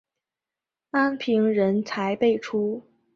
安平人才辈出。